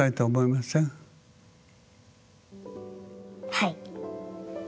はい。